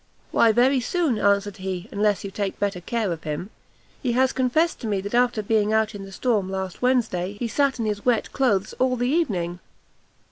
"Why very soon," answered he, "unless you take better care of him. He has confessed to me that after being out in the storm last Wednesday, he sat in his wet cloaths all the evening."